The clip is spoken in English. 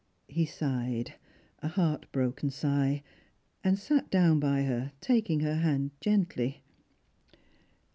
Ho sighed — a heartbroken sigh — and sat down by her, taking her hand gently.